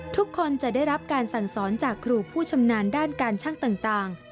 ทุกคนจะได้รับการสั่งสอนจากครูผู้ชำนาญด้านการช่างต่าง